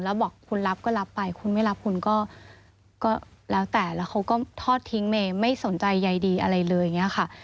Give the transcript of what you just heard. แล้วบอกคุณรับก็รับไปคุณไม่รับคุณก็แล้วแต่แล้วเขาก็ทอดทิ้งเมย์ไม่สนใจใยดีอะไรเลยอย่างนี้ค่ะ